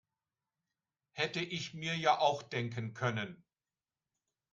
Hätte ich mir ja auch denken können.